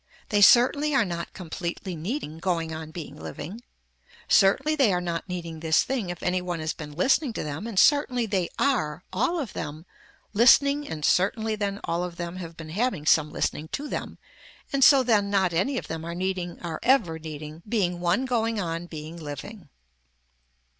They certainly are not completely needing going on being living. Certainly they are not needing this thing if any one has been listening to them and certainly they are, all of them, listening and certainly then all of them have been having some listening to them and so then not any of them are needing are ever needing being one going on being living.